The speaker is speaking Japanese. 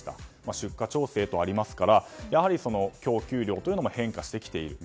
出荷調整とありますからやはり、供給量も変化してきている。